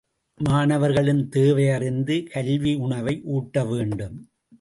மாணவர்களின் தேவையறிந்து கல்வியுணவை ஊட்ட வேண்டும்.